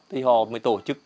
thì họ mới tổ chức